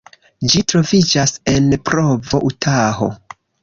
Ĝi troviĝas en Provo, Utaho.